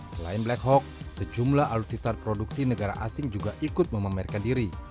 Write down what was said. selain black hawk sejumlah alutsista produksi negara asing juga ikut memamerkan diri